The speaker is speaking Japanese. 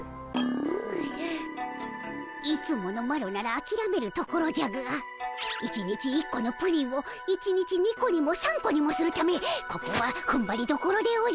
うぐいつものマロならあきらめるところじゃが１日１個のプリンを１日２個にも３個にもするためここはふんばりどころでおじゃる。